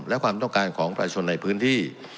และความต้องการของประชาชนในพื้นที่